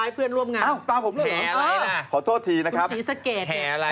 อะหรืออะไรคุณสีสะเกรด